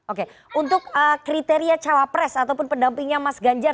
oke untuk kriteria cawapres ataupun pendampingnya mas ganjar